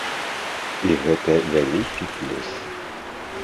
І гэта вялікі плюс.